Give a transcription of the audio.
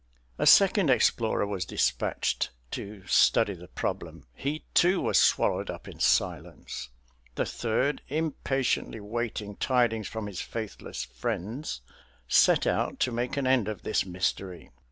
A second explorer was dispatched to study the problem. He, too, was swallowed up in silence. The third, impatiently waiting tidings from his faithless friends, set out to make an end of this mystery.